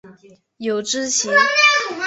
有脂鳍。